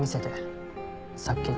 さっきの。